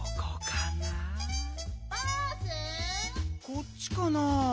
こっちかな？